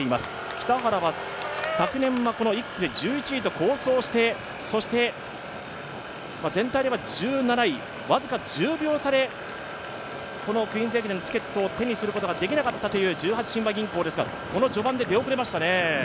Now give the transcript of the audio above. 北原は昨年はこの１区で１１位と好走してそして全体では１７位、僅か１０秒差でこのクイーンズ駅伝のチケットを手にすることができなかったという十八親和銀行ですがこの序盤で出遅れましたね。